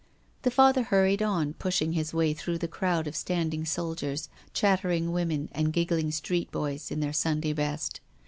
The I'^athcr hurried on pushing his way through the crowd of standing soldiers, chattering women and giggling street boys in their .Sunday best.